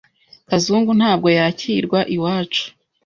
Kazungu ntabwo yakirwa iwacu.